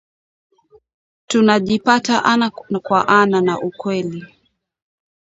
tunajipata ana kwa ana na ukweli